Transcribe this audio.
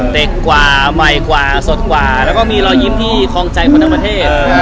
เด็กกว่าใหม่กว่าสดกว่าแล้วก็มีรอยยิ้มที่คลองใจคนทั้งประเทศ